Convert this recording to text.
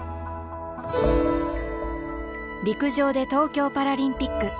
陸上で東京パラリンピック